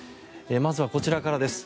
まずは、こちらからです。